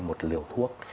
một liều thuốc